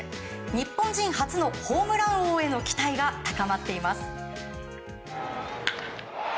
日本人初のホームラン王への期待が高まっています。